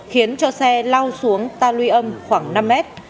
khiến cho xe lao xuống ta luy âm khoảng năm mét